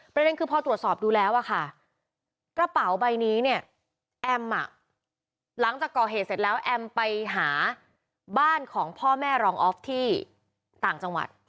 ประเด็นคือพอตรวจสอบดูแล้วอะค่ะกระเป๋าใบนี้เนี่ยแอมหลังจากก่อเหตุเสร็จแล้วแอมไปหาบ้านของพ่อแม่รองออฟที่ต่างจังหวัด